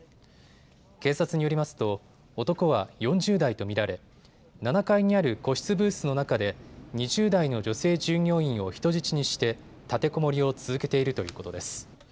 警察によりますと男は４０代と見られ、７階にある個室ブースの中で２０代の女性従業員を人質にして立てこもりを続けているということです。